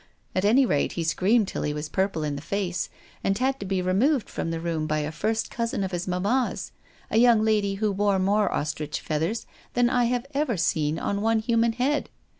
At any rate, he screamed till he was purple in the face, and had to be removed from the room by a first cousin of his mamma's, a young lady who wore more ostrich feathers than I have ever seen on one human head.